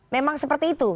memang seperti itu